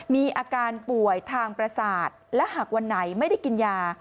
มีอาการป่วยทางประสาทและหากวันไหนไม่ได้กินยา